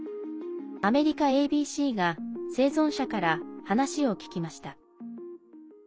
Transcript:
アメリカＡＢＣが生存者から話を聞きました。